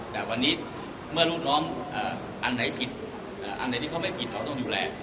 แต่วันนี้เมื่อลูกน้องอันไหนผิดอันไหนที่เขาไม่ผิดเราต้องดูแล